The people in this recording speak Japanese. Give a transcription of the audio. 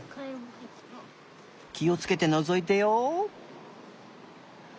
きをつけてのぞいてよ。